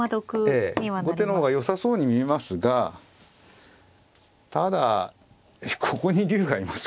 ええ後手の方がよさそうに見えますがただここに竜がいますからね。